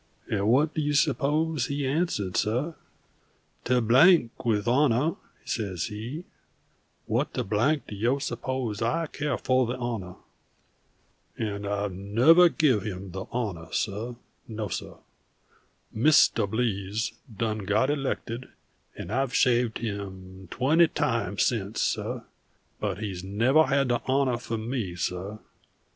And what do you suppose he answered, suh? 'To Blank with the honah!' says he. 'What the blank do yo' suppose I caiah fo' the honah?' "And I've nuvver give him the honah, suh; no, suh. Mis tuh Blease done got elected, and I've shaved him twenty times since, suh; _but he's nuvver had the honah from me, suh.